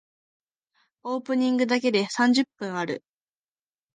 オープニングだけで三十分ある。